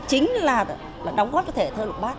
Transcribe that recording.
chính là đóng góp cho thể thơ lục bát